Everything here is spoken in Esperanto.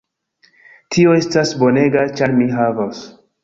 Tio estos bonega ĉar mi havos